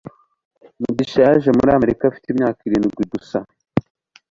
mugisha yaje muri amerika afite imyaka irindwi gusa